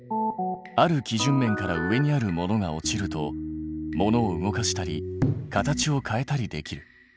ある基準面から上にあるものが落ちるとものを動かしたり形を変えたりできる。